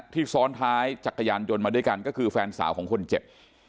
ซ้อนท้ายจักรยานยนต์มาด้วยกันก็คือแฟนสาวของคนเจ็บ